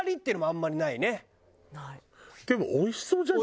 でもおいしそうじゃない？